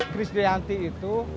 chris dayanti itu